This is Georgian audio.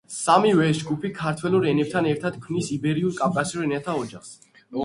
სამივე ეს ჯგუფი ქართველურ ენებთან ერთად ქმნის იბერიულ-კავკასიურ ენათა ოჯახს.